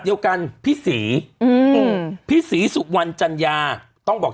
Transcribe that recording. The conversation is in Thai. เดียวกันพี่ศรีอืมพี่ศรีสุวรรณจัญญาต้องบอก